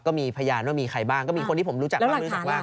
ก็มีพยานว่ามีใครบ้างก็มีคนที่ผมรู้จักบ้างรู้จักบ้าง